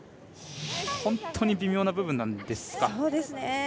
本当に微妙な部分なんですか。